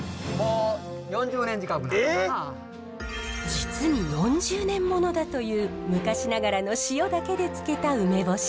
実に４０年物だという昔ながらの塩だけで漬けた梅干し。